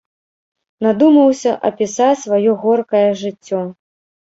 Надумаўся апісаць сваё горкае жыццё.